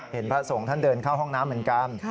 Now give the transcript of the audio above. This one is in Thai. พระสงฆ์ท่านเดินเข้าห้องน้ำเหมือนกัน